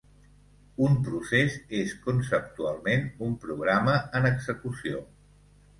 Un procés és conceptualment un programa en execució.